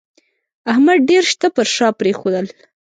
احمد ډېر شته پر شا پرېښول